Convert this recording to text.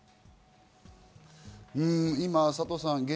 今、佐藤さん